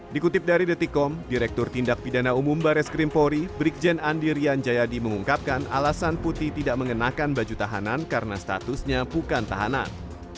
dikutip dari detikom direktur tindak pidana umum baris kerimpori brigjen andirian jayadi mengungkapkan alasan putri tidak mengenakan baju tahanan karena statusnya bukan tahanan